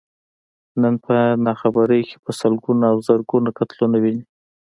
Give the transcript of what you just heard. نن په ناخبرۍ کې په سلګونو او زرګونو قتلونه ويني.